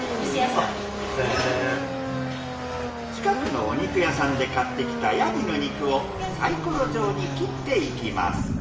近くのお肉屋さんで買ってきたヤギの肉をサイコロ状に切っていきます。